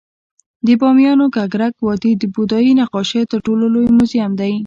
د بامیانو ککرک وادي د بودايي نقاشیو تر ټولو لوی موزیم دی